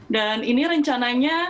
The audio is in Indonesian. dan ini rencananya